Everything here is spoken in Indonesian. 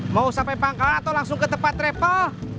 mau sampai pangkalan atau langsung ke tempat travel